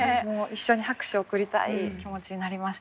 一緒に拍手を送りたい気持ちになりましたね。